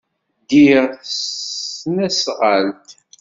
Ddiɣ s tesnasɣalt.